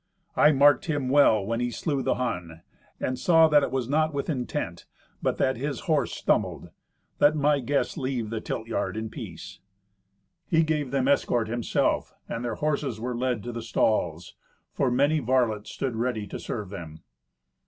I marked him well when he slew the Hun, and saw that it was not with intent, but that his horse stumbled. Let my guests leave the tilt yard in peace." He gave them escort, himself, and their horses were led to the stalls, for many varlets stood ready to serve them.